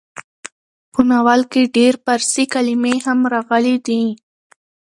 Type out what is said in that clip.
په ناول کې ډېر فارسي کلمې هم راغلې ډي.